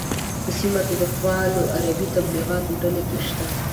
په سیمه کې فعالو عربي تبلیغي ډلو کې شته.